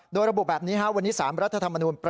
โดยระบุแบบนี้วันนี้๓รัฐธรรมนูล